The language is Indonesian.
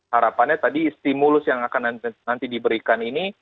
harapannya tadi stimulus yang akan nanti diberikan ini